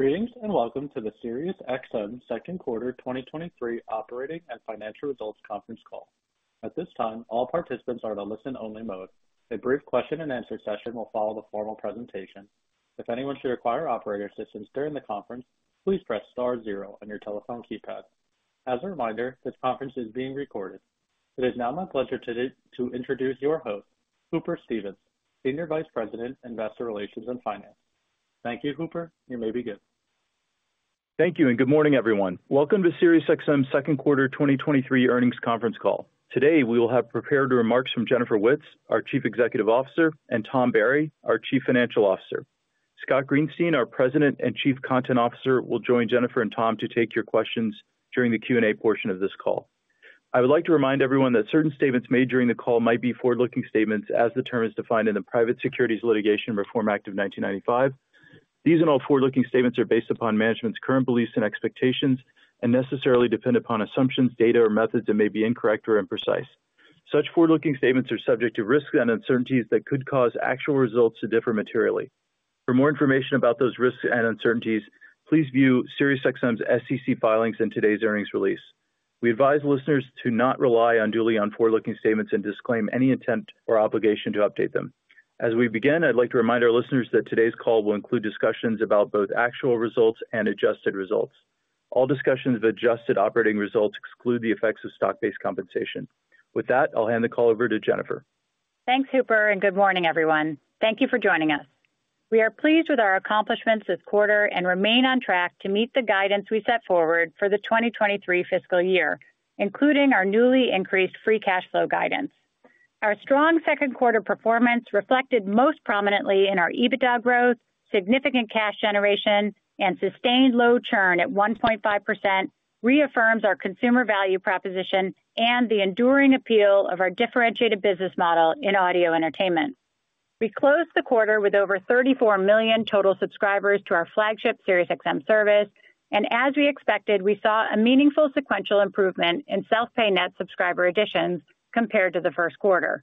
Greetings, welcome to the SiriusXM second quarter 2023 operating and financial results conference call. At this time, all participants are on a listen-only mode. A brief question-and-answer session will follow the formal presentation. If anyone should require operator assistance during the conference, please press star zero on your telephone keypad. As a reminder, this conference is being recorded. It is now my pleasure today to introduce your host, Hooper Stevens, Senior Vice President, Investor Relations and Finance. Thank you, Hooper. You may begin. Thank you, and good morning, everyone. Welcome to SiriusXM's second quarter 2023 earnings conference call. Today, we will have prepared remarks from Jennifer Witz, our Chief Executive Officer, and Tom Barry, our Chief Financial Officer. Scott Greenstein, our President and Chief Content Officer, will join Jennifer and Tom to take your questions during the Q&A portion of this call. I would like to remind everyone that certain statements made during the call might be forward-looking statements, as the term is defined in the Private Securities Litigation Reform Act of 1995. These and all forward-looking statements are based upon management's current beliefs and expectations and necessarily depend upon assumptions, data, or methods that may be incorrect or imprecise. Such forward-looking statements are subject to risks and uncertainties that could cause actual results to differ materially. For more information about those risks and uncertainties, please view SiriusXM's SEC filings in today's earnings release. We advise listeners to not rely unduly on forward-looking statements and disclaim any intent or obligation to update them. As we begin, I'd like to remind our listeners that today's call will include discussions about both actual results and adjusted results. All discussions of adjusted operating results exclude the effects of stock-based compensation. With that, I'll hand the call over to Jennifer. Thanks, Hooper, and good morning, everyone. Thank you for joining us. We are pleased with our accomplishments this quarter and remain on track to meet the guidance we set forward for the 2023 fiscal year, including our newly increased free cash flow guidance. Our strong second quarter performance, reflected most prominently in our EBITDA growth, significant cash generation, and sustained low churn at 1.5%, reaffirms our consumer value proposition and the enduring appeal of our differentiated business model in audio entertainment. We closed the quarter with over 34 million total subscribers to our flagship SiriusXM service, and as we expected, we saw a meaningful sequential improvement in self-pay net subscriber additions compared to the first quarter.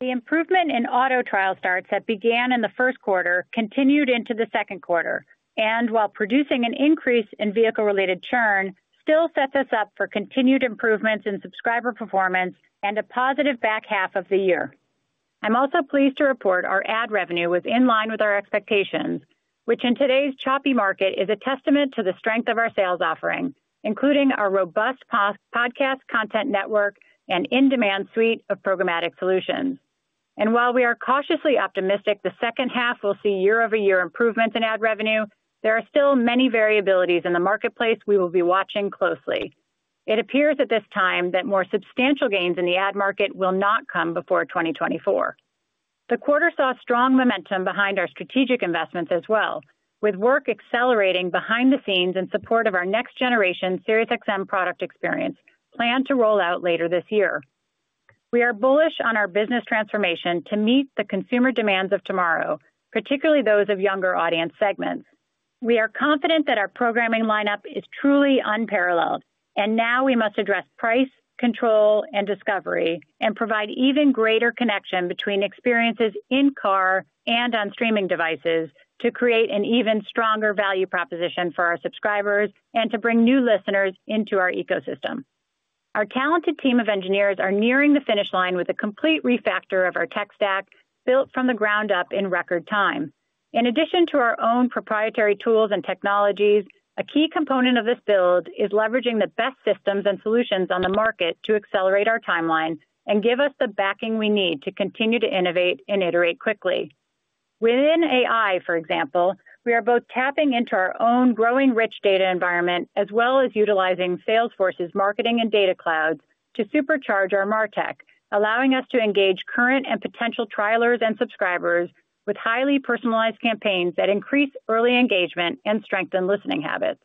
The improvement in auto trial starts that began in the first quarter continued into the second quarter, and while producing an increase in vehicle-related churn, still sets us up for continued improvements in subscriber performance and a positive back half of the year. I'm also pleased to report our ad revenue was in line with our expectations, which in today's choppy market, is a testament to the strength of our sales offering, including our robust podcast content network and in-demand suite of programmatic solutions. While we are cautiously optimistic, the second half will see year-over-year improvement in ad revenue, there are still many variabilities in the marketplace we will be watching closely. It appears at this time that more substantial gains in the ad market will not come before 2024. The quarter saw strong momentum behind our strategic investments as well, with work accelerating behind the scenes in support of our next generation SiriusXM product experience, planned to roll out later this year. We are bullish on our business transformation to meet the consumer demands of tomorrow, particularly those of younger audience segments. We are confident that our programming lineup is truly unparalleled. Now we must address price, control, and discovery and provide even greater connection between experiences in car and on streaming devices to create an even stronger value proposition for our subscribers and to bring new listeners into our ecosystem. Our talented team of engineers are nearing the finish line with a complete refactor of our tech stack, built from the ground up in record time. In addition to our own proprietary tools and technologies, a key component of this build is leveraging the best systems and solutions on the market to accelerate our timeline and give us the backing we need to continue to innovate and iterate quickly. Within AI, for example, we are both tapping into our own growing rich data environment, as well as utilizing Salesforce's marketing and data clouds to supercharge our MarTech, allowing us to engage current and potential trailers and subscribers with highly personalized campaigns that increase early engagement and strengthen listening habits.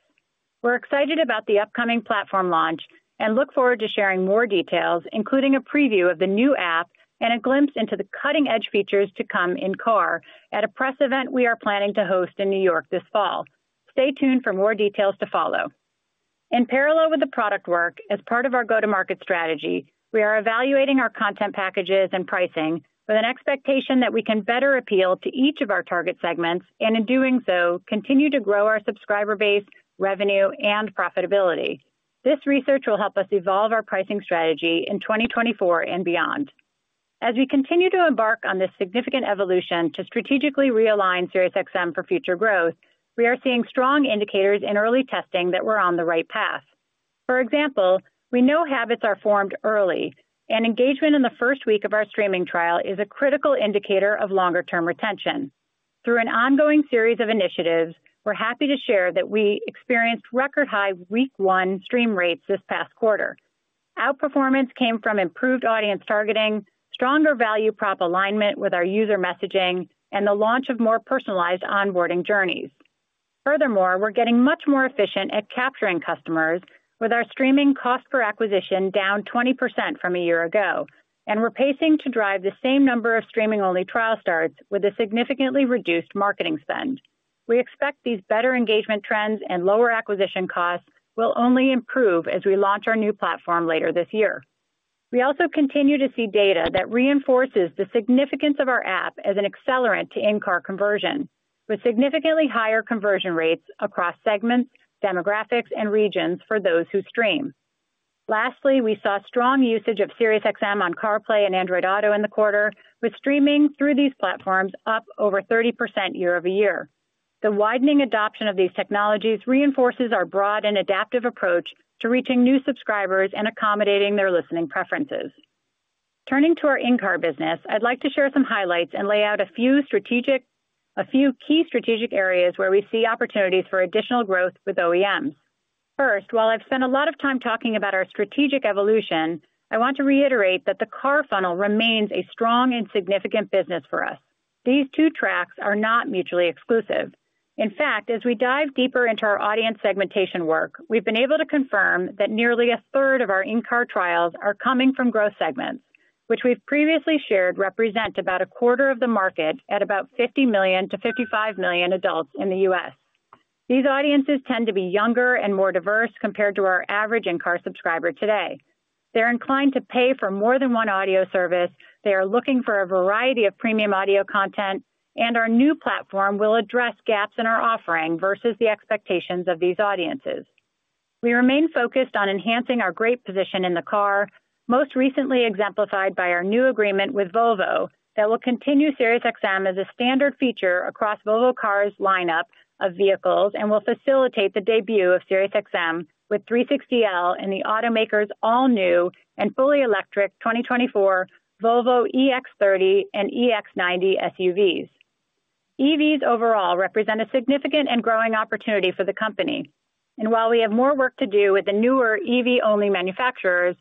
We're excited about the upcoming platform launch and look forward to sharing more details, including a preview of the new app and a glimpse into the cutting-edge features to come in car at a press event we are planning to host in New York this fall. Stay tuned for more details to follow. In parallel with the product work, as part of our go-to-market strategy, we are evaluating our content packages and pricing with an expectation that we can better appeal to each of our target segments, and in doing so, continue to grow our subscriber base, revenue, and profitability. This research will help us evolve our pricing strategy in 2024 and beyond. As we continue to embark on this significant evolution to strategically realign SiriusXM for future growth, we are seeing strong indicators in early testing that we're on the right path. For example, we know habits are formed early, and engagement in the first week of our streaming trial is a critical indicator of longer-term retention. Through an ongoing series of initiatives, we're happy to share that we experienced record-high week 1 stream rates this past quarter. Outperformance came from improved audience targeting, stronger value prop alignment with our user messaging, and the launch of more personalized onboarding journeys. Furthermore, we're getting much more efficient at capturing customers with our streaming cost per acquisition down 20% from a year ago, and we're pacing to drive the same number of streaming-only trial starts with a significantly reduced marketing spend. We expect these better engagement trends and lower acquisition costs will only improve as we launch our new platform later this year....We also continue to see data that reinforces the significance of our app as an accelerant to in-car conversion, with significantly higher conversion rates across segments, demographics, and regions for those who stream. Lastly, we saw strong usage of SiriusXM on CarPlay and Android Auto in the quarter, with streaming through these platforms up over 30% year-over-year. The widening adoption of these technologies reinforces our broad and adaptive approach to reaching new subscribers and accommodating their listening preferences. Turning to our in-car business, I'd like to share some highlights and lay out a few key strategic areas where we see opportunities for additional growth with OEMs. First, while I've spent a lot of time talking about our strategic evolution, I want to reiterate that the car funnel remains a strong and significant business for us. These two tracks are not mutually exclusive. In fact, as we dive deeper into our audience segmentation work, we've been able to confirm that nearly a third of our in-car trials are coming from growth segments, which we've previously shared represent about a quarter of the market at about 50 million-55 million adults in the U.S. These audiences tend to be younger and more diverse compared to our average in-car subscriber today. They're inclined to pay for more than one audio service, they are looking for a variety of premium audio content, and our new platform will address gaps in our offering versus the expectations of these audiences. We remain focused on enhancing our great position in the car, most recently exemplified by our new agreement with Volvo, that will continue SiriusXM as a standard feature across Volvo Cars' lineup of vehicles, and will facilitate the debut of SiriusXM with 360L in the automaker's all-new and fully electric 2024 Volvo EX30 and EX90 SUVs. EVs overall represent a significant and growing opportunity for the company. While we have more work to do with the newer EV-only manufacturers,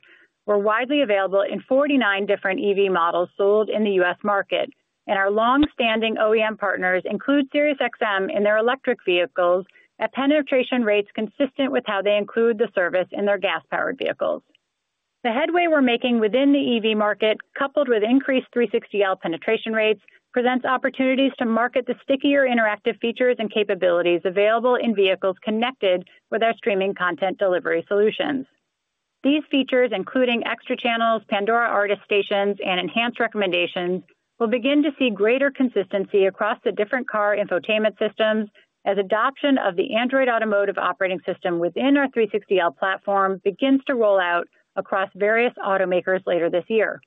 we're widely available in 49 different EV models sold in the U.S. market. Our long-standing OEM partners include SiriusXM in their electric vehicles at penetration rates consistent with how they include the service in their gas-powered vehicles. The headway we're making within the EV market, coupled with increased 360L penetration rates, presents opportunities to market the stickier interactive features and capabilities available in vehicles connected with our streaming content delivery solutions. These features, including extra channels, Pandora artist stations, and enhanced recommendations, will begin to see greater consistency across the different car infotainment systems as adoption of the Android Automotive OS within our 360L platform begins to roll out across various automakers later this year.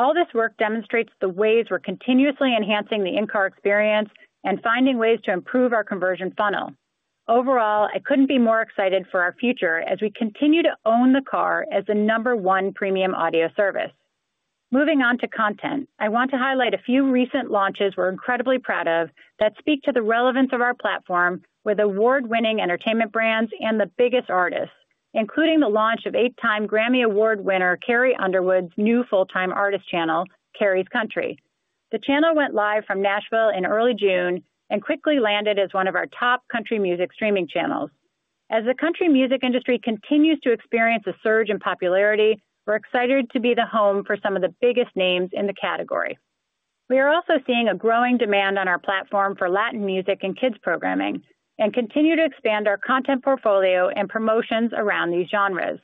All this work demonstrates the ways we're continuously enhancing the in-car experience and finding ways to improve our conversion funnel. Overall, I couldn't be more excited for our future as we continue to own the car as the number one premium audio service. Moving on to content, I want to highlight a few recent launches we're incredibly proud of that speak to the relevance of our platform with award-winning entertainment brands and the biggest artists, including the launch of eight-time Grammy Award winner, Carrie Underwood's new full-time artist channel, Carrie's Country. The channel went live from Nashville in early June and quickly landed as one of our top country music streaming channels. As the country music industry continues to experience a surge in popularity, we're excited to be the home for some of the biggest names in the category. We are also seeing a growing demand on our platform for Latin music and kids programming, and continue to expand our content portfolio and promotions around these genres.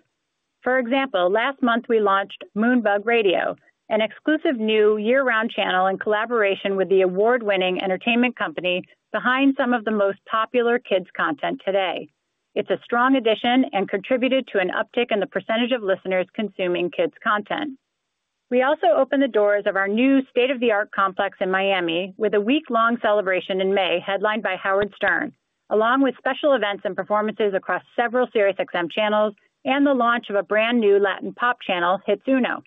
For example, last month, we launched Moonbug Radio, an exclusive new year-round channel in collaboration with the award-winning entertainment company behind some of the most popular kids content today. It's a strong addition and contributed to an uptick in the percentage of listeners consuming kids content. We also opened the doors of our new state-of-the-art complex in Miami with a week-long celebration in May, headlined by Howard Stern, along with special events and performances across several SiriusXM channels and the launch of a brand-new Latin pop channel, Hits Uno.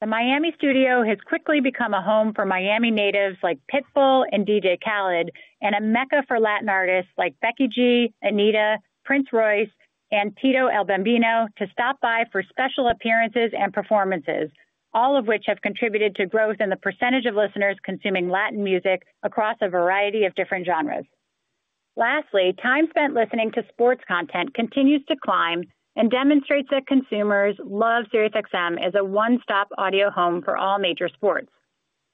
The Miami studio has quickly become a home for Miami natives like Pitbull and DJ Khaled, and a mecca for Latin artists like Becky G, Anitta, Prince Royce, and Tito El Bambino, to stop by for special appearances and performances, all of which have contributed to growth in the percentage of listeners consuming Latin music across a variety of different genres. Lastly, time spent listening to sports content continues to climb and demonstrates that consumers love SiriusXM as a one-stop audio home for all major sports.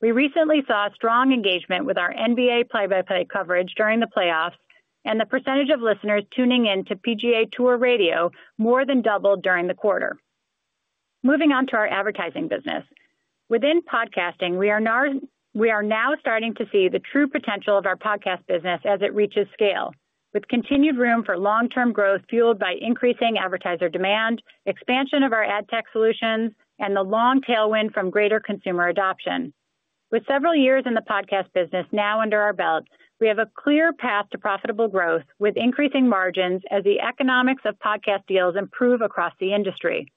We recently saw strong engagement with our NBA play-by-play coverage during the playoffs, and the percentage of listeners tuning in to PGA TOUR Radio more than doubled during the quarter. Moving on to our advertising business. Within podcasting, we are now starting to see the true potential of our podcast business as it reaches scale, with continued room for long-term growth, fueled by increasing advertiser demand, expansion of our ad tech solutions, and the long tailwind from greater consumer adoption. With several years in the podcast business now under our belt, we have a clear path to profitable growth, with increasing margins as the economics of podcast deals improve across the industry.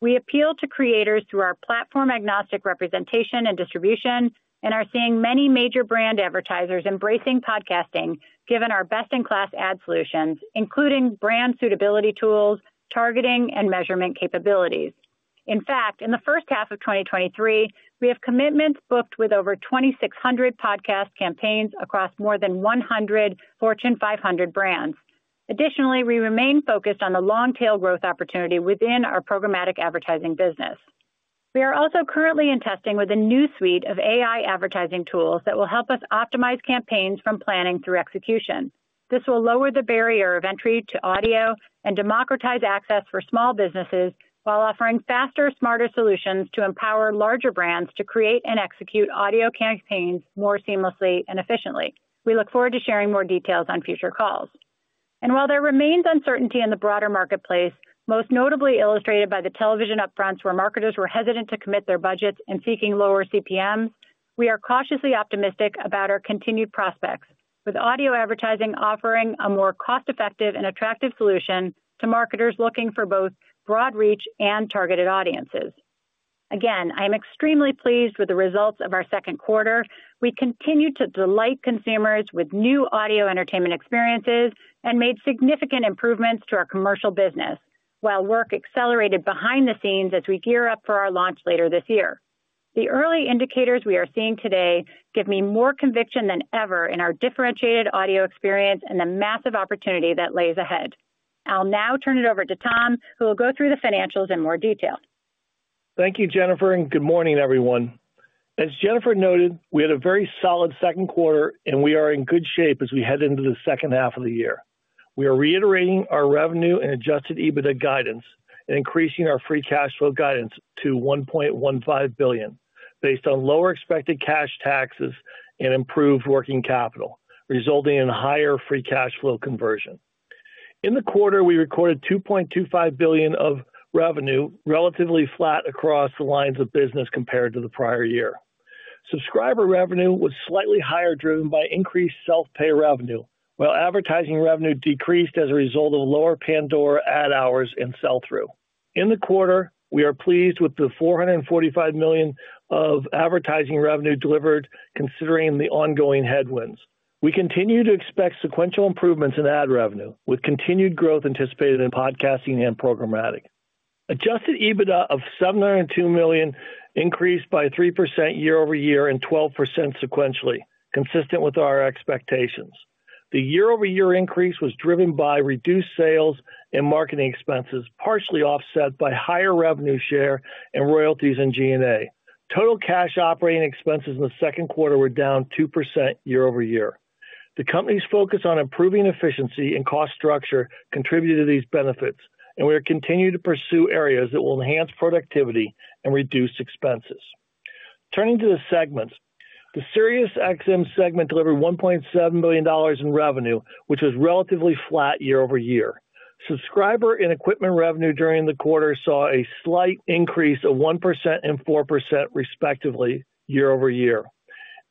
We appeal to creators through our platform-agnostic representation and distribution, and are seeing many major brand advertisers embracing podcasting, given our best-in-class ad solutions, including brand suitability tools, targeting, and measurement capabilities. In fact, in the first half of 2023, we have commitments booked with over 2,600 podcast campaigns across more than 100 Fortune 500 brands. Additionally, we remain focused on the long-tail growth opportunity within our programmatic advertising business. We are also currently in testing with a new suite of AI advertising tools that will help us optimize campaigns from planning through execution. This will lower the barrier of entry to audio and democratize access for small businesses, while offering faster, smarter solutions to empower larger brands to create and execute audio campaigns more seamlessly and efficiently. We look forward to sharing more details on future calls. While there remains uncertainty in the broader marketplace, most notably illustrated by the television upfronts, where marketers were hesitant to commit their budgets and seeking lower CPMs, we are cautiously optimistic about our continued prospects, with audio advertising offering a more cost-effective and attractive solution to marketers looking for both broad reach and targeted audiences. Again, I am extremely pleased with the results of our second quarter. We continued to delight consumers with new audio entertainment experiences and made significant improvements to our commercial business, while work accelerated behind the scenes as we gear up for our launch later this year. The early indicators we are seeing today give me more conviction than ever in our differentiated audio experience and the massive opportunity that lays ahead. I'll now turn it over to Tom, who will go through the financials in more detail. Thank you, Jennifer. Good morning, everyone. As Jennifer noted, we had a very solid second quarter, and we are in good shape as we head into the second half of the year. We are reiterating our revenue and adjusted EBITDA guidance and increasing our free cash flow guidance to $1.15 billion, based on lower expected cash taxes and improved working capital, resulting in higher free cash flow conversion. In the quarter, we recorded $2.25 billion of revenue, relatively flat across the lines of business compared to the prior year. Subscriber revenue was slightly higher, driven by increased self-pay revenue, while advertising revenue decreased as a result of lower Pandora ad hours and sell-through. In the quarter, we are pleased with the $445 million of advertising revenue delivered considering the ongoing headwinds. We continue to expect sequential improvements in ad revenue, with continued growth anticipated in podcasting and programmatic. Adjusted EBITDA of $702 million increased by 3% year-over-year and 12% sequentially, consistent with our expectations. The year-over-year increase was driven by reduced sales and marketing expenses, partially offset by higher revenue share and royalties in G&A. Total cash operating expenses in the second quarter were down 2% year-over-year. The company's focus on improving efficiency and cost structure contributed to these benefits, and we are continuing to pursue areas that will enhance productivity and reduce expenses. Turning to the segments. The SiriusXM segment delivered $1.7 billion in revenue, which was relatively flat year-over-year. Subscriber and equipment revenue during the quarter saw a slight increase of 1% and 4%, respectively, year-over-year.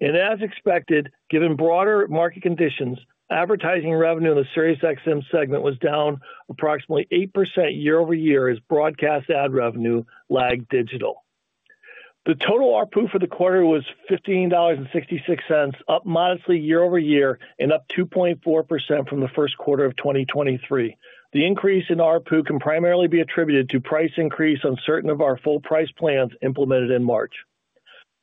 As expected, given broader market conditions, advertising revenue in the SiriusXM segment was down approximately 8% year-over-year as broadcast ad revenue lagged digital. The total ARPU for the quarter was $15.66, up modestly year-over-year and up 2.4% from the first quarter of 2023. The increase in ARPU can primarily be attributed to price increase on certain of our full price plans implemented in March.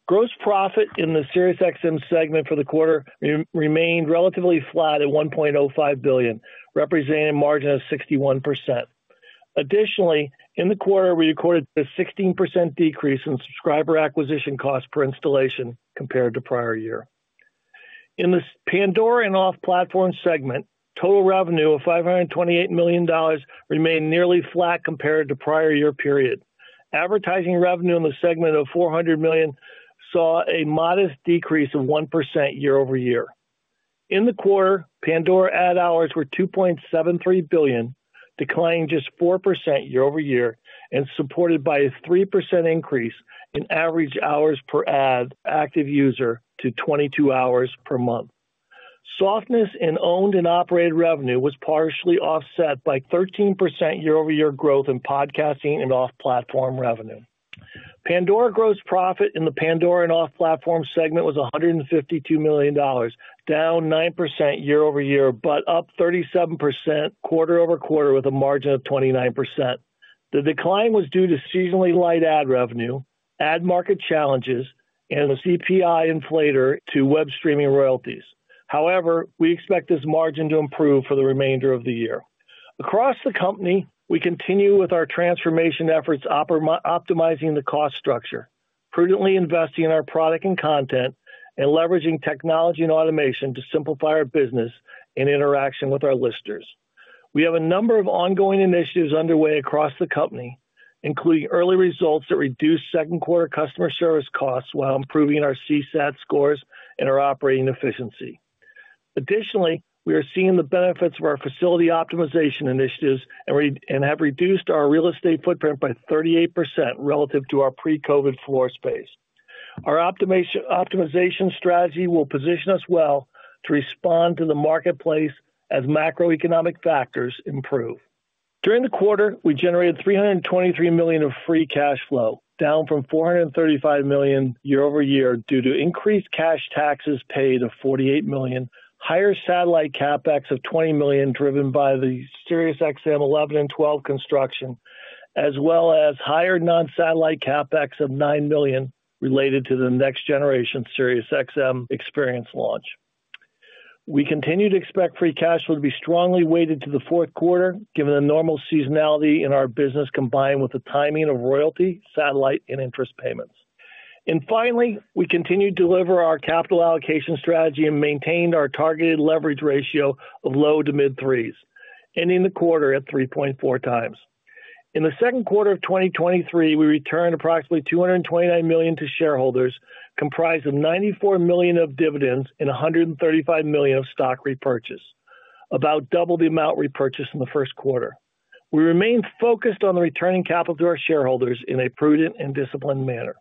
Gross profit in the SiriusXM segment for the quarter remained relatively flat at $1.05 billion, representing a margin of 61%. Additionally, in the quarter, we recorded a 16% decrease in subscriber acquisition costs per installation compared to prior year. In the Pandora and off-platform segment, total revenue of $528 million remained nearly flat compared to prior year period. Advertising revenue in the segment of $400 million saw a modest decrease of 1% year-over-year. In the quarter, Pandora ad hours were 2.73 billion, declining just 4% year-over-year and supported by a 3% increase in average hours per ad active user to 22 hours per month. Softness in owned and operated revenue was partially offset by 13% year-over-year growth in podcasting and off-platform revenue. Pandora gross profit in the Pandora and off-platform segment was $152 million, down 9% year-over-year, but up 37% quarter-over-quarter, with a margin of 29%. The decline was due to seasonally light ad revenue, ad market challenges, and the CPI inflator to web streaming royalties. However, we expect this margin to improve for the remainder of the year. Across the company, we continue with our transformation efforts, optimizing the cost structure, prudently investing in our product and content, and leveraging technology and automation to simplify our business and interaction with our listeners. We have a number of ongoing initiatives underway across the company, including early results that reduced second quarter customer service costs while improving our CSAT scores and our operating efficiency. Additionally, we are seeing the benefits of our facility optimization initiatives and have reduced our real estate footprint by 38% relative to our pre-COVID floor space. Our optimization strategy will position us well to respond to the marketplace as macroeconomic factors improve. During the quarter, we generated $323 million of free cash flow, down from $435 million year-over-year due to increased cash taxes paid of $48 million, higher satellite CapEx of $20 million, driven by the SiriusXM 11 and 12 construction, as well as higher non-satellite CapEx of $9 million related to the next generation SiriusXM experience launch. We continue to expect free cash flow to be strongly weighted to the fourth quarter, given the normal seasonality in our business, combined with the timing of royalty, satellite and interest payments. Finally, we continue to deliver our capital allocation strategy and maintained our targeted leverage ratio of low to mid threes, ending the quarter at 3.4 times. In the second quarter of 2023, we returned approximately $229 million to shareholders, comprised of $94 million of dividends and $135 million of stock repurchase, about double the amount repurchased in the first quarter. We remain focused on returning capital to our shareholders in a prudent and disciplined manner.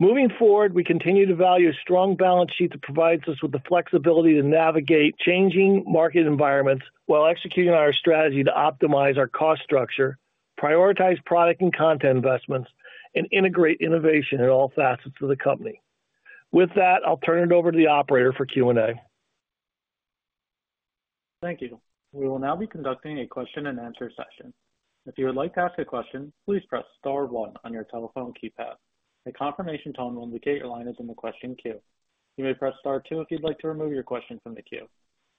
Moving forward, we continue to value a strong balance sheet that provides us with the flexibility to navigate changing market environments while executing on our strategy to optimize our cost structure, prioritize product and content investments, and integrate innovation in all facets of the company. With that, I'll turn it over to the operator for Q&A. Thank you. We will now be conducting a question-and-answer session. If you would like to ask a question, please press * 1 on your telephone keypad. A confirmation tone will indicate your line is in the question queue. You may press * 2 if you'd like to remove your question from the queue.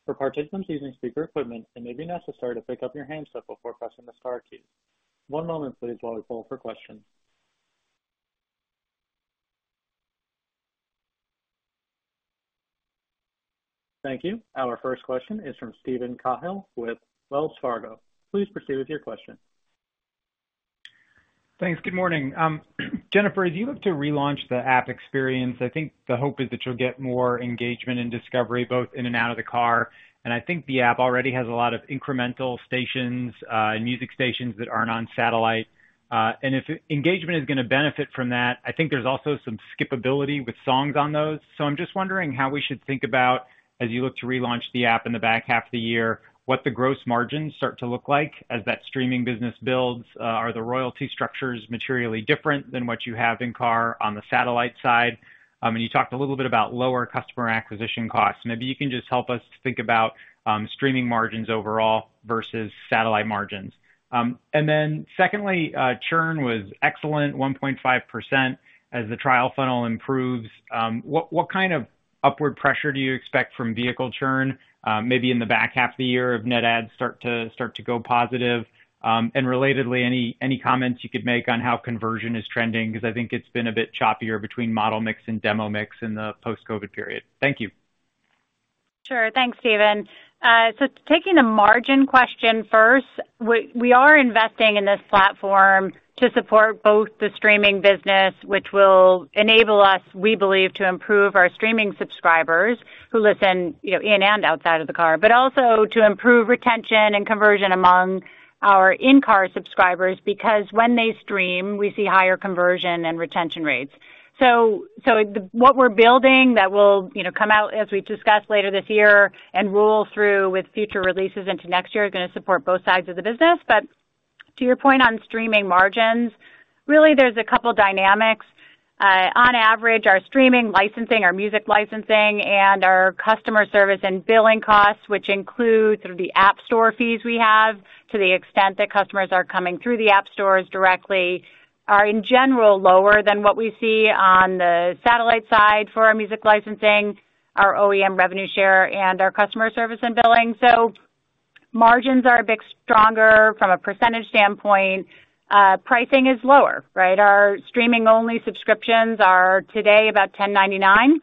For participants using speaker equipment, it may be necessary to pick up your handset before pressing the * key. One moment, please, while we pull for questions. Thank you. Our first question is from Steven Cahall with Wells Fargo. Please proceed with your question. Thanks. Good morning. Jennifer, as you look to relaunch the app experience, I think the hope is that you'll get more engagement and discovery, both in and out of the car. I think the app already has a lot of incremental stations, and music stations that aren't on satellite. If engagement is going to benefit from that, I think there's also some skippability with songs on those. I'm just wondering how we should think about, as you look to relaunch the app in the back half of the year, what the gross margins start to look like as that streaming business builds. Are the royalty structures materially different than what you have in car on the satellite side? You talked a little bit about lower customer acquisition costs. Maybe you can just help us to think about streaming margins overall versus satellite margins. Then secondly, churn was excellent, 1.5%. As the trial funnel improves, what, what kind of upward pressure do you expect from vehicle churn, maybe in the back half of the year if net adds start to, start to go positive? Relatedly, any, any comments you could make on how conversion is trending? Because I think it's been a bit choppier between model mix and demo mix in the post-COVID period. Thank you. Sure. Thanks, Steven. Taking the margin question first, we, we are investing in this platform to support both the streaming business, which will enable us, we believe, to improve our streaming subscribers who listen, you know, in and outside of the car. Also to improve retention and conversion among our in-car subscribers, because when they stream, we see higher conversion and retention rates. So what we're building that will, you know, come out as we've discussed later this year and roll through with future releases into next year, is going to support both sides of the business. To your point on streaming margins, really, there's a couple dynamics. On average, our streaming licensing, our music licensing and our customer service and billing costs, which include sort of the App Store fees we have, to the extent that customers are coming through the App Stores directly, are in general, lower than what we see on the satellite side for our music licensing, our OEM revenue share, and our customer service and billing. Margins are a bit stronger from a percentage standpoint. Pricing is lower, right? Our streaming-only subscriptions are today about $10.99,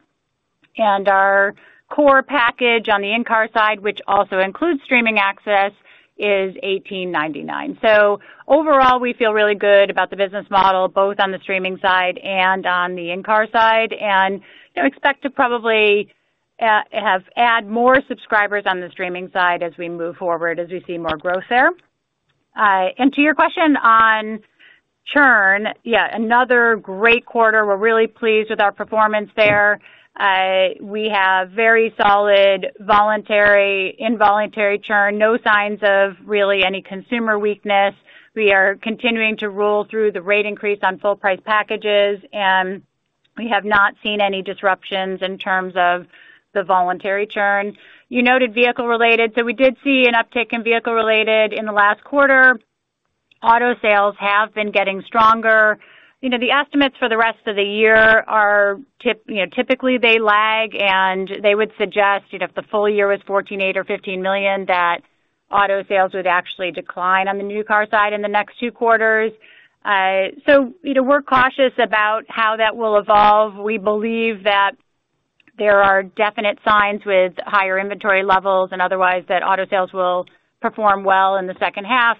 and our core package on the in-car side, which also includes streaming access, is $18.99. Overall, we feel really good about the business model, both on the streaming side and on the in-car side, and we expect to probably add more subscribers on the streaming side as we move forward, as we see more growth there. To your question on churn, yeah, another great quarter. We're really pleased with our performance there. We have very solid, voluntary, involuntary churn, no signs of really any consumer weakness. We are continuing to roll through the rate increase on full price packages, and we have not seen any disruptions in terms of the voluntary churn. You noted vehicle-related. We did see an uptick in vehicle-related in the last quarter. Auto sales have been getting stronger. You know, the estimates for the rest of the year are, you know, typically they lag, and they would suggest, you know, if the full year was 14.8 million or 15 million, that auto sales would actually decline on the new car side in the next 2 quarters. You know, we're cautious about how that will evolve. We believe that there are definite signs with higher inventory levels and otherwise, that auto sales will perform well in the second half.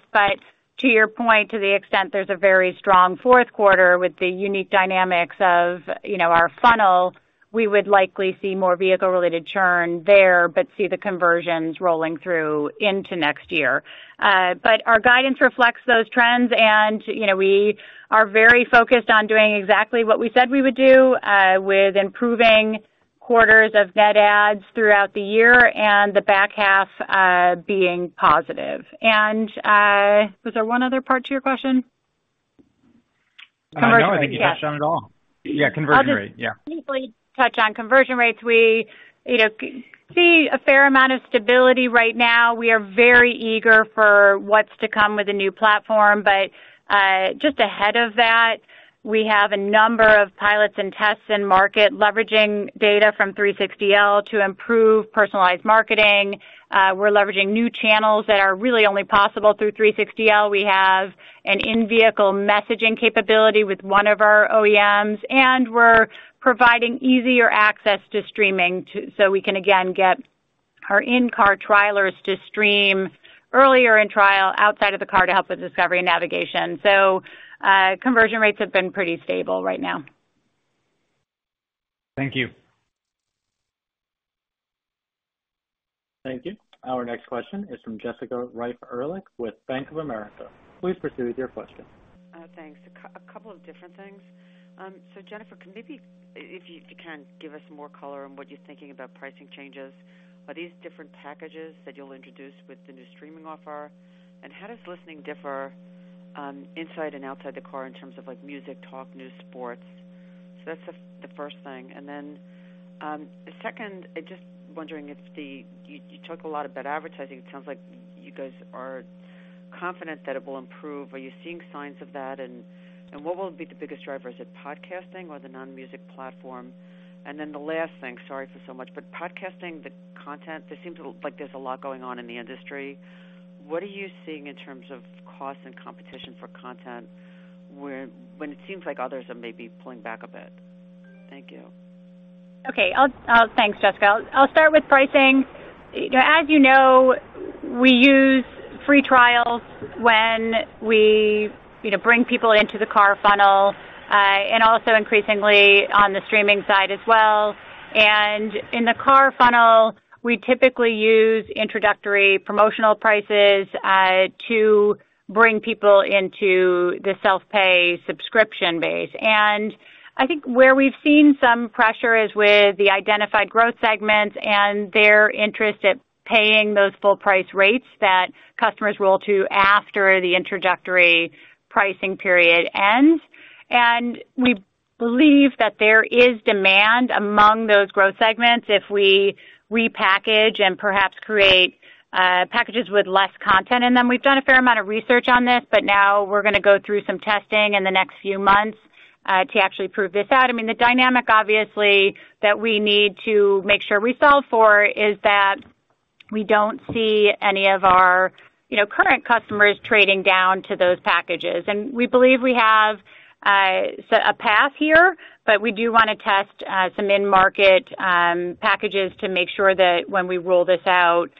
To your point, to the extent there's a very strong fourth quarter with the unique dynamics of, you know, our funnel, we would likely see more vehicle-related churn there, but see the conversions rolling through into next year. Our guidance reflects those trends, and, you know, we are very focused on doing exactly what we said we would do, with improving quarters of net adds throughout the year and the back half, being positive. Was there one other part to your question? No, I think you touched on it all. Yeah, conversion rate. Yeah. I'll just briefly touch on conversion rates. We, you know, see a fair amount of stability right now. We are very eager for what's to come with the new platform, but just ahead of that. We have a number of pilots and tests in market, leveraging data from 360L to improve personalized marketing. We're leveraging new channels that are really only possible through 360L. We have an in-vehicle messaging capability with one of our OEMs, and we're providing easier access to streaming so we can again, get our in-car trailers to stream earlier in trial outside of the car to help with discovery and navigation. Conversion rates have been pretty stable right now. Thank you. Thank you. Our next question is from Jessica Reif Ehrlich with Bank of America. Please proceed with your question. Thanks. A couple of different things. Jennifer, can maybe, if you, if you can, give us more color on what you're thinking about pricing changes? Are these different packages that you'll introduce with the new streaming offer? How does listening differ, inside and outside the car in terms of, like, music, talk, news, sports? That's the, the first thing. The second, I just wondering if the... You, you talked a lot about advertising. It sounds like you guys are confident that it will improve. Are you seeing signs of that? What will be the biggest driver? Is it podcasting or the non-music platform? The last thing, sorry for so much, but podcasting, the content, there seems to like there's a lot going on in the industry. What are you seeing in terms of cost and competition for content, when it seems like others are maybe pulling back a bit? Thank you. Okay, I'll. Thanks, Jessica. I'll start with pricing. As you know, we use free trials when we, you know, bring people into the car funnel, and also increasingly on the streaming side as well. In the car funnel, we typically use introductory promotional prices to bring people into the self-pay subscription base. I think where we've seen some pressure is with the identified growth segments and their interest at paying those full price rates that customers roll to after the introductory pricing period ends. We believe that there is demand among those growth segments if we repackage and perhaps create packages with less content in them. We've done a fair amount of research on this, but now we're gonna go through some testing in the next few months to actually prove this out. I mean, the dynamic, obviously, that we need to make sure we solve for, is that we don't see any of our, you know, current customers trading down to those packages. We believe we have a path here, but we do wanna test some in-market packages to make sure that when we roll this out,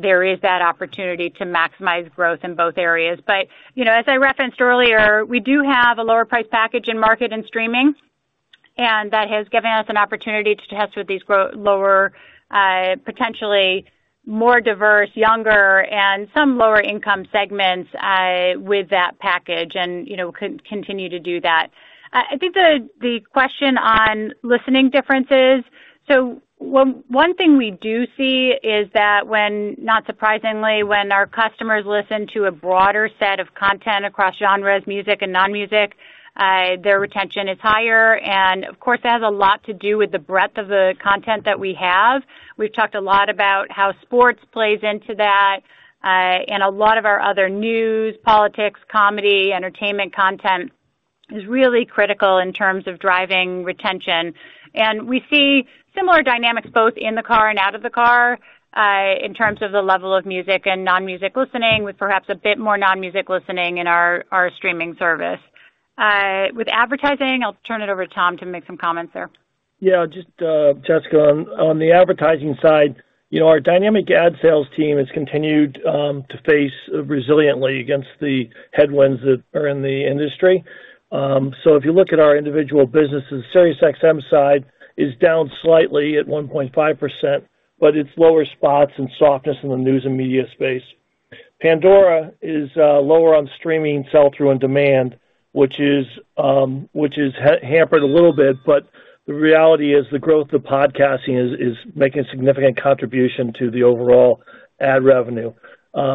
there is that opportunity to maximize growth in both areas. You know, as I referenced earlier, we do have a lower price package in market and streaming, and that has given us an opportunity to test with these grow lower, potentially more diverse, younger and some lower income segments with that package, and, you know, could continue to do that. I think the question on listening differences. One thing we do see is that when... Not surprisingly, when our customers listen to a broader set of content across genres, music and non-music, their retention is higher. Of course, that has a lot to do with the breadth of the content that we have. We've talked a lot about how sports plays into that, and a lot of our other news, politics, comedy, entertainment content is really critical in terms of driving retention. We see similar dynamics, both in the car and out of the car, in terms of the level of music and non-music listening, with perhaps a bit more non-music listening in our, our streaming service. With advertising, I'll turn it over to Tom to make some comments there. Yeah, just Jessica, on, on the advertising side, you know, our dynamic ad sales team has continued to face resiliently against the headwinds that are in the industry. If you look at our individual businesses, SiriusXM side is down slightly at 1.5%, but it's lower spots and softness in the news and media space. Pandora is lower on streaming, sell-through and demand, which is hampered a little bit, but the reality is, the growth of podcasting is making a significant contribution to the overall ad revenue.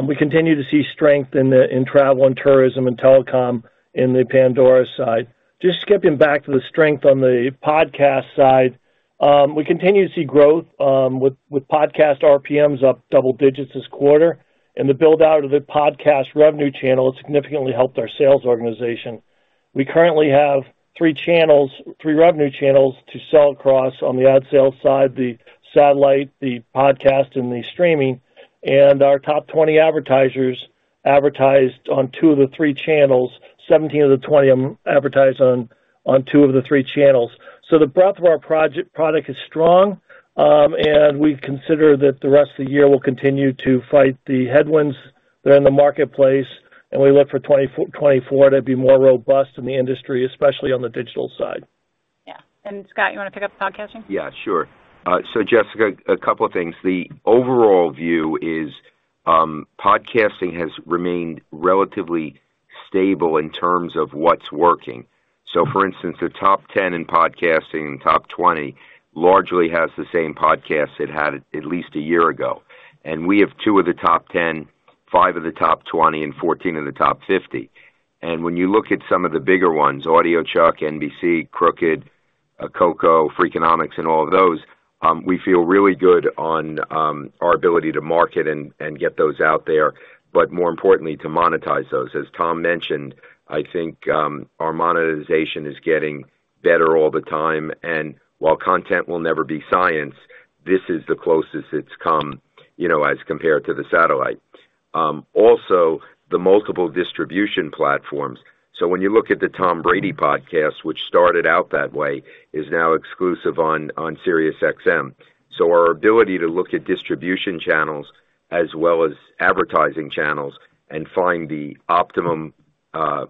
We continue to see strength in travel and tourism and telecom in the Pandora side. Just skipping back to the strength on the podcast side, we continue to see growth, with, with podcast RPMs up double digits this quarter. The build-out of the podcast revenue channel has significantly helped our sales organization. We currently have 3 channels, 3 revenue channels to sell across on the ad sales side, the satellite, the podcast, and the streaming. Our top 20 advertisers advertised on 2 of the 3 channels. 17 of the 20 advertise on, on 2 of the 3 channels. The breadth of our product is strong, and we consider that the rest of the year will continue to fight the headwinds that are in the marketplace. We look for 2024 to be more robust in the industry, especially on the digital side. Yeah. Scott, you wanna pick up podcasting? Yeah, sure. Jessica, a couple of things. The overall view is, podcasting has remained relatively stable in terms of what's working. For instance, the top 10 in podcasting and top 20 largely has the same podcasts it had at least a year ago. We have 2 of the top 10, 5 of the top 20, and 14 of the top 50. When you look at some of the bigger ones, Audiochuck, NBC, Crooked, Coco, Freakonomics, and all of those, we feel really good on our ability to market and get those out there, but more importantly, to monetize those. As Tom mentioned, I think, our monetization is getting better all the time, and while content will never be science, this is the closest it's come, you know, as compared to the satellite. Also, the multiple distribution platforms. When you look at the Tom Brady podcast, which started out that way, is now exclusive on SiriusXM. Our ability to look at distribution channels as well as advertising channels and find the optimum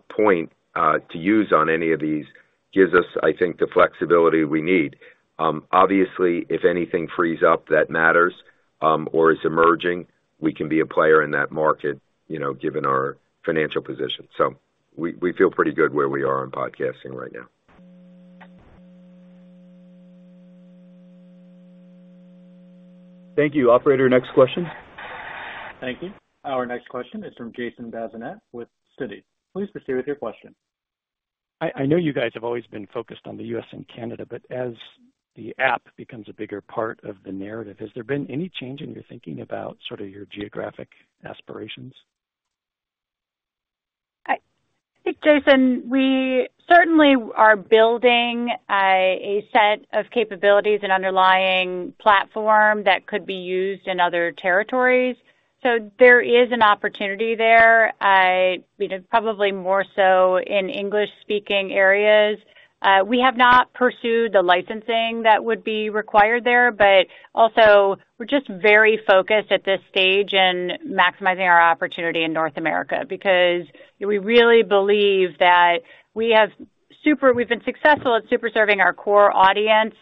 point to use on any of these, gives us, I think, the flexibility we need. Obviously, if anything frees up that matters, or is emerging, we can be a player in that market, you know, given our financial position. We, we feel pretty good where we are on podcasting right now. Thank you. Operator, next question. Thank you. Our next question is from Jason Bazinet with Citi. Please proceed with your question. I, I know you guys have always been focused on the U.S. and Canada, but as the app becomes a bigger part of the narrative, has there been any change in your thinking about sort of your geographic aspirations? I think, Jason, we certainly are building a set of capabilities and underlying platform that could be used in other territories. There is an opportunity there, you know, probably more so in English-speaking areas. We have not pursued the licensing that would be required there, but also we're just very focused at this stage in maximizing our opportunity in North America, because we really believe that we have super- we've been successful at super serving our core audience,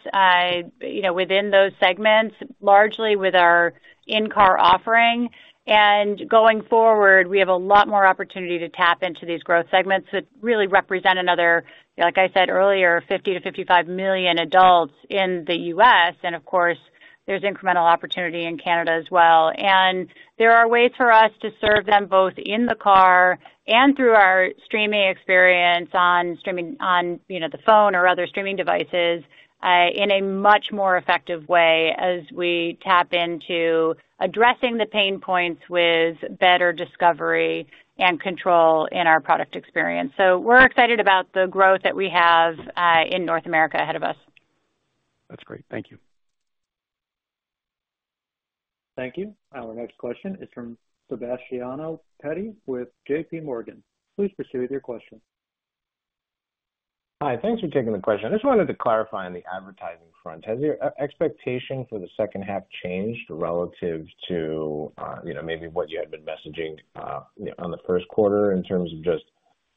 you know, within those segments, largely with our in-car offering. Going forward, we have a lot more opportunity to tap into these growth segments that really represent another, like I said earlier, 50 million-55 million adults in the U.S., and of course, there's incremental opportunity in Canada as well. There are ways for us to serve them, both in the car and through our streaming experience on, you know, the phone or other streaming devices, in a much more effective way as we tap into addressing the pain points with better discovery and control in our product experience. We're excited about the growth that we have in North America ahead of us. That's great. Thank you. Thank you. Our next question is from Sebastiano Petti with JPMorgan. Please proceed with your question. Hi, thanks for taking the question. I just wanted to clarify on the advertising front, has your expectation for the second half changed relative to, you know, maybe what you had been messaging, you know, on the first quarter in terms of just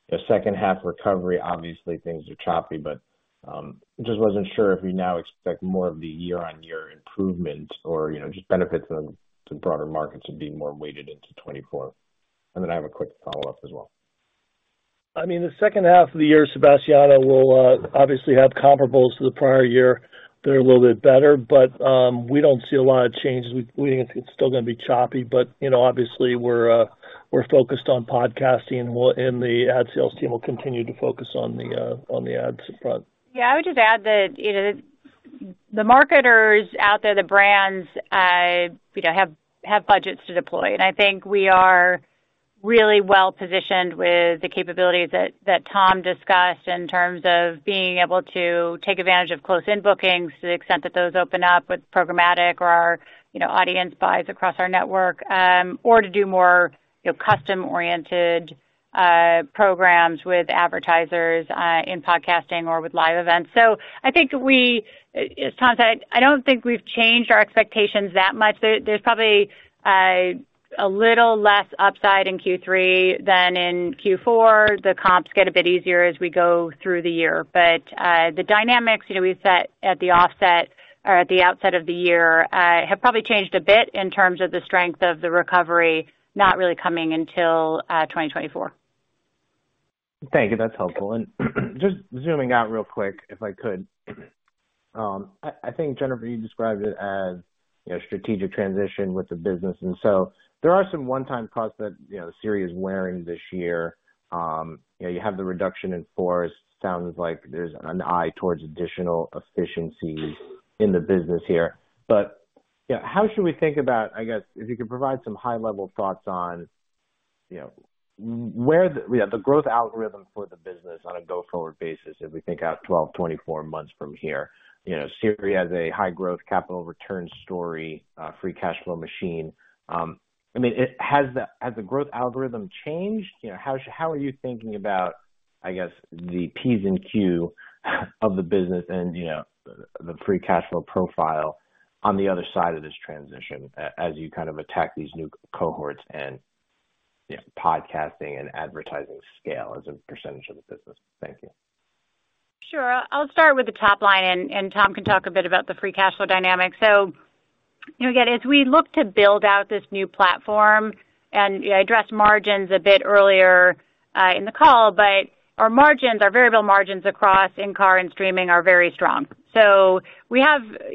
the second half recovery? Obviously, things are choppy, but just wasn't sure if you now expect more of the year-on-year improvement or, you know, just benefits from some broader markets and being more weighted into 2024. I have a quick follow-up as well. I mean, the second half of the year, Sebastiano, will obviously have comparables to the prior year that are a little bit better, but we don't see a lot of changes. We think it's still gonna be choppy, but, you know, obviously we're focused on podcasting, and the ad sales team will continue to focus on the ads front. Yeah, I would just add that, you know, the marketers out there, the brands, you know, have, have budgets to deploy, and I think we are really well positioned with the capabilities that Tom discussed in terms of being able to take advantage of close-in bookings to the extent that those open up with programmatic or, you know, audience buys across our network, or to do more, you know, custom-oriented programs with advertisers in podcasting or with live events. I think we... As Tom said, I don't think we've changed our expectations that much. There's probably a little less upside in Q3 than in Q4. The comps get a bit easier as we go through the year, but the dynamics, you know, we've set at the offset or at the outset of the year, have probably changed a bit in terms of the strength of the recovery, not really coming until 2024. Thank you. That's helpful. Just zooming out real quick, if I could. I, I think, Jennifer, you described it as, you know, strategic transition with the business, and so there are some one-time costs that, you know, Sirius is wearing this year. You know, you have the reduction in force, sounds like there's an eye towards additional efficiencies in the business here. Yeah, how should we think about, I guess, if you could provide some high-level thoughts on, you know, where the, the growth algorithm for the business on a go-forward basis, if we think out 12, 24 months from here. You know, Sirius has a high growth capital return story, free cash flow machine. I mean, has the, has the growth algorithm changed? You know, how, how are you thinking about, I guess, the P's and Q's of the business and, you know, the free cash flow profile on the other side of this transition as you kind of attack these new cohorts and, you know, podcasting and advertising scale as a percentage of the business? Thank you. Sure. I'll start with the top line, and, and Tom can talk a bit about the free cash flow dynamics. You know, again, as we look to build out this new platform and, you know, address margins a bit earlier in the call, but our margins, our variable margins across in-car and streaming, are very strong. You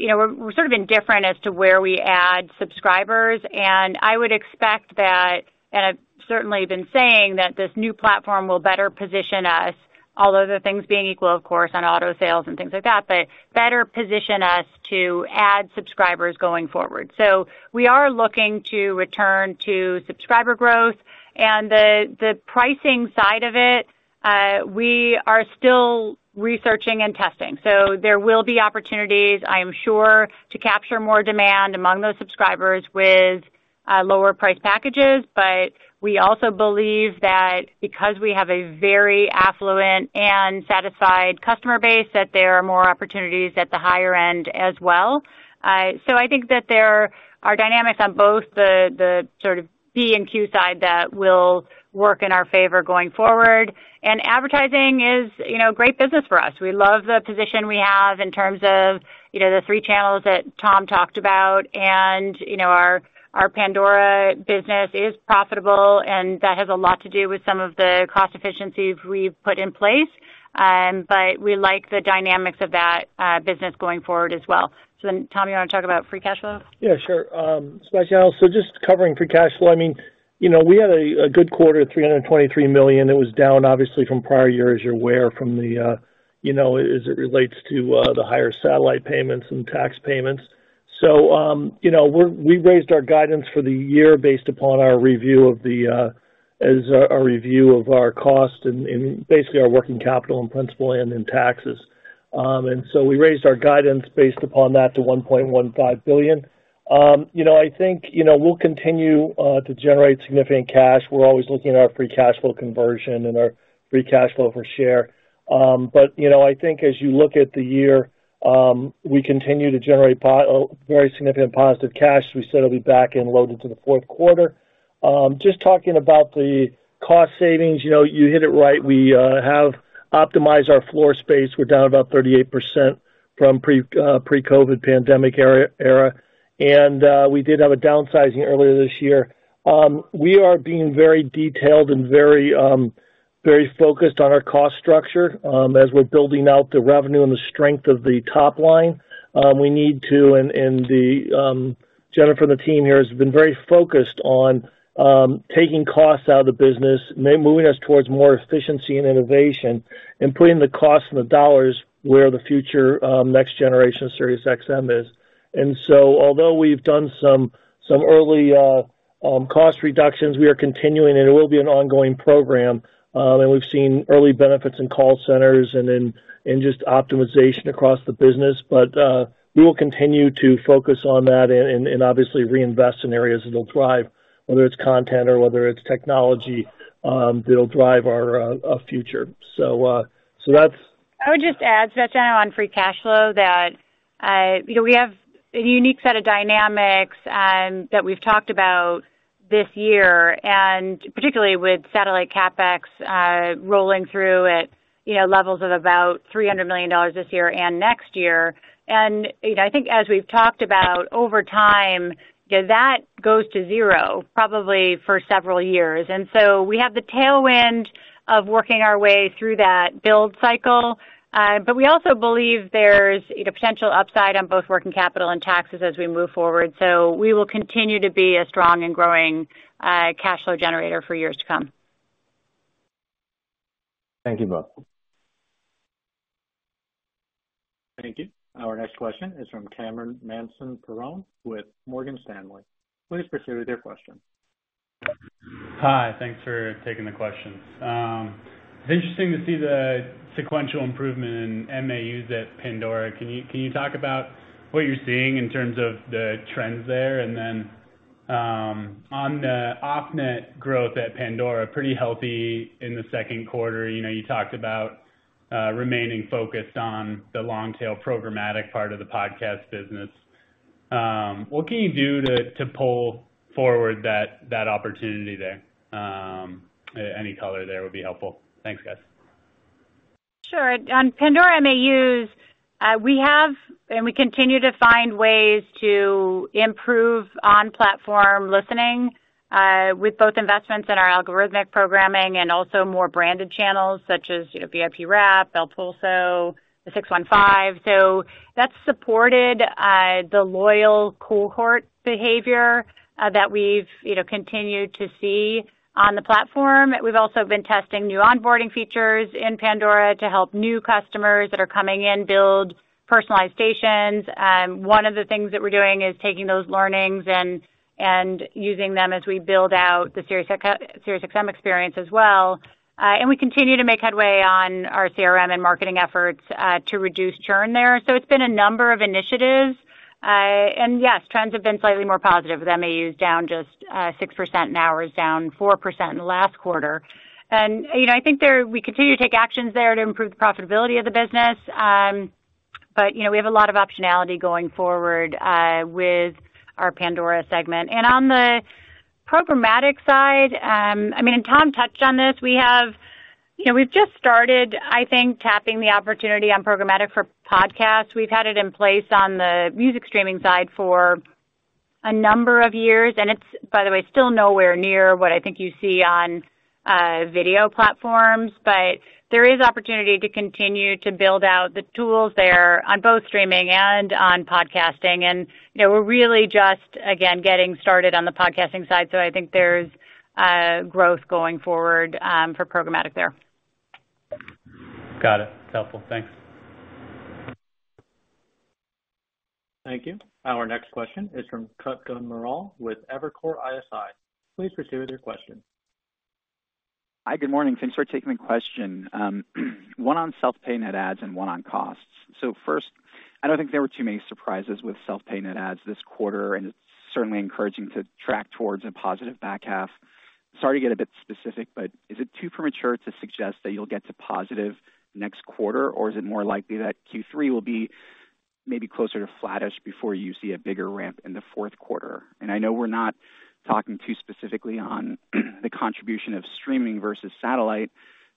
know, we're, we're sort of indifferent as to where we add subscribers, and I would expect that, and I've certainly been saying, that this new platform will better position us-... all other things being equal, of course, on auto sales and things like that, but better position us to add subscribers going forward. We are looking to return to subscriber growth and the, the pricing side of it, we are still researching and testing. There will be opportunities, I am sure, to capture more demand among those subscribers with lower-priced packages. We also believe that because we have a very affluent and satisfied customer base, that there are more opportunities at the higher end as well. I think that there are dynamics on both the, the sort of B and Q side that will work in our favor going forward. Advertising is, you know, great business for us. We love the position we have in terms of, you know, the 3 channels that Tom talked about. You know, our, our Pandora business is profitable, and that has a lot to do with some of the cost efficiencies we've put in place. We like the dynamics of that business going forward as well. Tom, you wanna talk about free cash flow? Yeah, sure. Sebastiano, just covering free cash flow. I mean, you know, we had a good quarter, $323 million. It was down, obviously, from prior years, as you're aware, from the, you know, as it relates to the higher satellite payments and tax payments. You know, we raised our guidance for the year based upon our review of the, as a review of our cost and, and basically, our working capital and principal and in taxes. We raised our guidance based upon that to $1.15 billion. You know, I think, you know, we'll continue to generate significant cash. We're always looking at our free cash flow conversion and our free cash flow per share. You know, I think as you look at the year, we continue to generate very significant positive cash. We said it'll be back-end loaded to the fourth quarter. Just talking about the cost savings, you know, you hit it right. We have optimized our floor space. We're down about 38% from pre-COVID pandemic era, era, and we did have a downsizing earlier this year. We are being very detailed and very focused on our cost structure, as we're building out the revenue and the strength of the top line. We need to, Jennifer Witz and the team here has been very focused on taking costs out of the business, moving us towards more efficiency and innovation, and putting the costs and the dollars where the future, next generation of SiriusXM is. Although we've done some, some early cost reductions, we are continuing, and it will be an ongoing program. We've seen early benefits in call centers and just optimization across the business. We will continue to focus on that and obviously reinvest in areas that'll drive, whether it's content or whether it's technology, that'll drive our future. That's. I would just add, Sebastiano, on free cash flow, that, you know, we have a unique set of dynamics, that we've talked about this year, and particularly with satellite CapEx, rolling through at, you know, levels of about $300 million this year and next year. You know, I think as we've talked about over time, that goes to 0, probably for several years. So we have the tailwind of working our way through that build cycle. We also believe there's, you know, potential upside on both working capital and taxes as we move forward. We will continue to be a strong and growing cash flow generator for years to come. Thank you both. Thank you. Our next question is from Cameron Mansson-Perrone with Morgan Stanley. Please proceed with your question. Hi, thanks for taking the question. It's interesting to see the sequential improvement in MAUs at Pandora. Can you, can you talk about what you're seeing in terms of the trends there? On the off-net growth at Pandora, pretty healthy in the second quarter. You know, you talked about remaining focused on the long tail programmatic part of the podcast business. What can you do to pull forward that opportunity there? Any color there would be helpful. Thanks, guys. Sure. On Pandora MAUs, we have and we continue to find ways to improve on-platform listening, with both investments in our algorithmic programming and also more branded channels such as, you know, VIP Rap, El Pulso, The 615. That's supported the loyal cohort behavior that we've, you know, continued to see on the platform. We've also been testing new onboarding features in Pandora to help new customers that are coming in build personalized stations. One of the things that we're doing is taking those learnings and, and using them as we build out the SiriusXM experience as well. We continue to make headway on our CRM and marketing efforts to reduce churn there. It's been a number of initiatives. Yes, trends have been slightly more positive, with MAUs down just 6% and hours down 4% in the last quarter. You know, I think there we continue to take actions there to improve the profitability of the business. But, you know, we have a lot of optionality going forward with our Pandora segment. On the programmatic side, I mean, Tom touched on this. We have. You know, we've just started, I think, tapping the opportunity on programmatic for podcasts. We've had it in place on the music streaming side for a number of years, and it's, by the way, still nowhere near what I think you see on video platforms. There is opportunity to continue to build out the tools there on both streaming and on podcasting. You know, we're really just, again, getting started on the podcasting side, so I think there's growth going forward for programmatic there. Got it. It's helpful. Thanks! Thank you. Our next question is from Kutgun Maral with Evercore ISI. Please proceed with your question. Hi, good morning. Thanks for taking the question. one on self-pay net ads and one on costs. First, I don't think there were too many surprises with self-pay net ads this quarter, and it's certainly encouraging to track towards a positive back half. Sorry to get a bit specific, but is it too premature to suggest that you'll get to positive next quarter? Or is it more likely that Q3 will be maybe closer to flattish before you see a bigger ramp in the fourth quarter? I know we're not talking too specifically on the contribution of streaming versus satellite,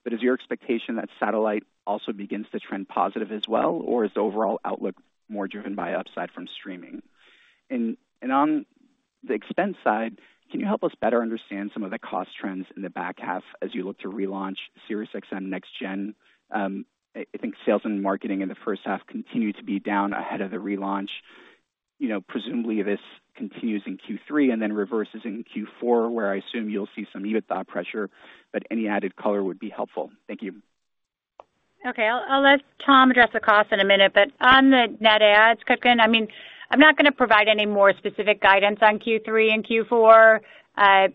but is your expectation that satellite also begins to trend positive as well, or is the overall outlook more driven by upside from streaming? On the expense side, can you help us better understand some of the cost trends in the back half as you look to relaunch SiriusXM Next Gen? I, I think sales and marketing in the first half continued to be down ahead of the relaunch. You know, presumably, this continues in Q3 and then reverses in Q4, where I assume you'll see some EBITDA pressure, but any added color would be helpful. Thank you. Okay. I'll, I'll let Tom address the cost in a minute, but on the net adds, Kutgun, I mean, I'm not gonna provide any more specific guidance on Q3 and Q4.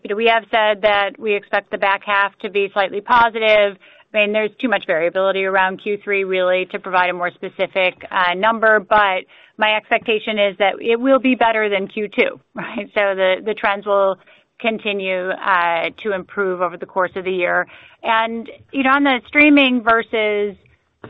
You know, we have said that we expect the back half to be slightly positive. I mean, there's too much variability around Q3, really, to provide a more specific number. My expectation is that it will be better than Q2, right? The trends will continue to improve over the course of the year. You know, on the streaming versus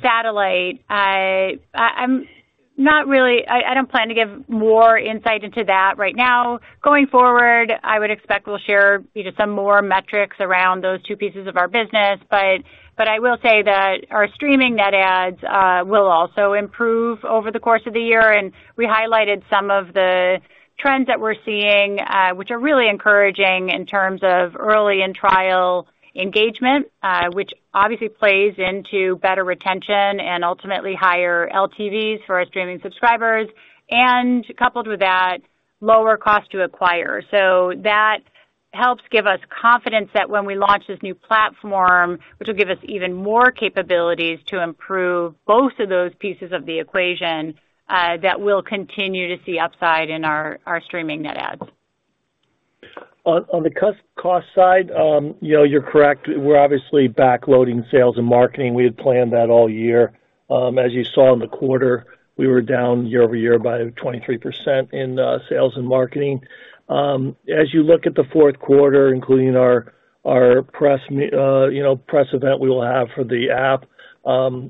satellite, I don't plan to give more insight into that right now. Going forward, I would expect we'll share, you know, some more metrics around those two pieces of our business. But I will say that our streaming net adds, will also improve over the course of the year, and we highlighted some of the trends that we're seeing, which are really encouraging in terms of early and trial engagement, which obviously plays into better retention and ultimately higher LTVs for our streaming subscribers, and coupled with that, lower cost to acquire. That helps give us confidence that when we launch this new platform, which will give us even more capabilities to improve both of those pieces of the equation, that we'll continue to see upside in our, our streaming net adds. On, on the cost side, you know, you're correct. We're obviously backloading sales and marketing. We had planned that all year. As you saw in the quarter, we were down year-over-year by 23% in sales and marketing. As you look at the fourth quarter, including our, our press, you know, press event we will have for the app,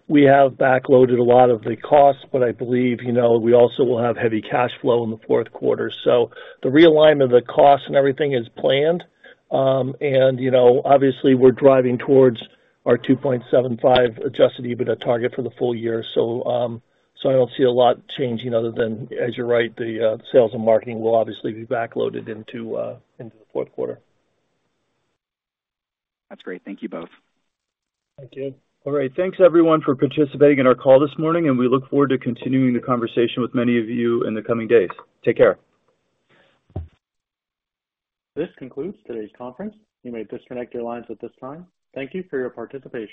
we have backloaded a lot of the costs, but I believe, you know, we also will have heavy cash flow in the fourth quarter. The realignment of the costs and everything is planned. You know, obviously, we're driving towards our $2.75 adjusted EBITDA target for the full year. I don't see a lot changing other than, as you're right, the sales and marketing will obviously be backloaded into the fourth quarter. That's great. Thank you both. Thank you. All right. Thanks, everyone, for participating in our call this morning. We look forward to continuing the conversation with many of you in the coming days. Take care. This concludes today's conference. You may disconnect your lines at this time. Thank you for your participation.